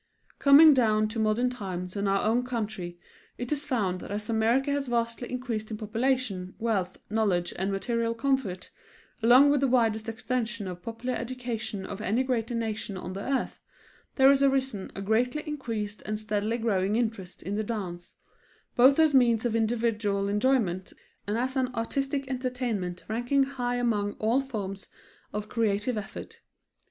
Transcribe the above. Coming down to modern times and our own country, it is found that as America has vastly increased in population, wealth, knowledge and material comfort, along with the widest extension of popular education of any great nation on the earth, there has arisen a greatly increased and steadily growing interest in the dance, both as means of individual enjoyment, and as an artistic entertainment ranking high among all forms of creative effort.